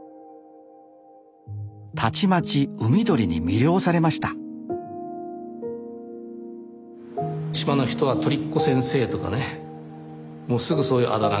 たちまち海鳥に魅了されました島の人は鳥っこ先生とかねもうすぐそういうあだ名が付いてね